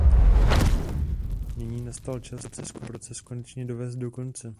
Nyní nastal čas tento proces konečně dovést do konce.